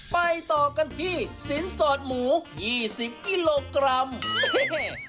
ไปต่อกันที่สินสอดหมู๒๐กิโลกรัม